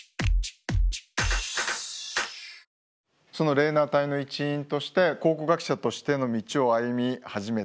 レーナー隊の一員として考古学者としての道を歩み始めた。